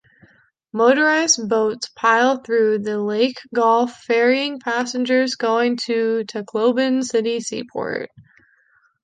Motorized boats plies through the Leyte Gulf ferrying passengers going to Tacloban City seaport.